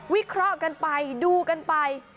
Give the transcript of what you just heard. วิเคราะห์กันไปดูกันไป